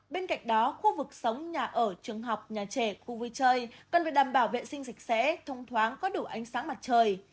bên cạnh đó khu vực sống nhà ở trường học nhà trẻ khu vui chơi cần phải đảm bảo vệ sinh sạch sẽ thông thoáng có đủ ánh sáng mặt trời